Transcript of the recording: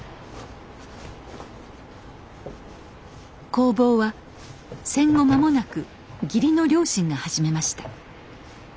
工房は戦後まもなく義理の両親が始めました。